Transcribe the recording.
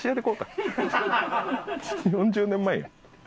４０年前やん。